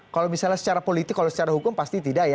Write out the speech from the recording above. kalau misalnya secara politik kalau secara hukum pasti tidak ya